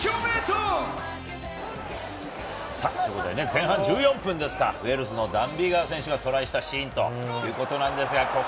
前半１４分、ウェールズのダン・ビガー選手がトライしたシーンということです。